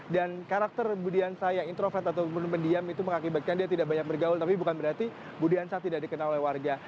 dan karakter budi hansa yang introvert atau pendiam itu mengakibatkan dia tidak banyak bergaul tapi bukan berarti budi hansa tidak dikenal oleh warga